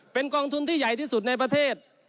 เป็นกองทุนที่ใหญ่ที่สุดในประเทศ